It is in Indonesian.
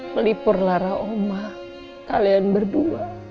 melipur lara oma kalian berdua